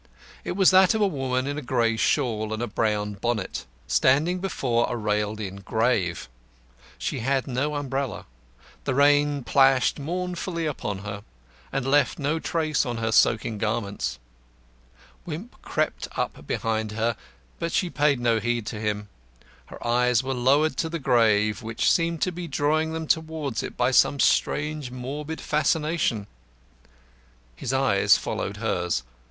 It was that of a woman in a grey shawl and a brown bonnet, standing before a railed in grave. She had no umbrella. The rain plashed mournfully upon her, but left no trace on her soaking garments. Wimp crept up behind her, but she paid no heed to him. Her eyes were lowered to the grave, which seemed to be drawing them towards it by some strange morbid fascination. His eyes followed hers.